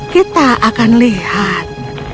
kita akan lihat